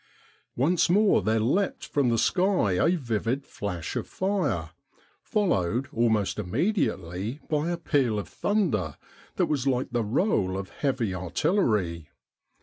Once more there leapt from the sky a vivid flash of fire, followed almost immediately by a peal of thunder that was like the roll of heavy artillery.